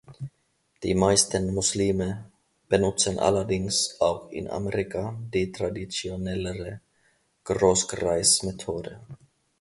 Die meisten Muslime benutzen allerdings auch in Amerika die traditionellere Großkreis-Methode.